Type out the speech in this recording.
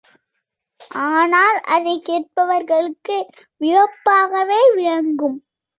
ஆனால், அதைக் கேட்பவர்களுக்கு வியப்பாகவே விளங்கும்.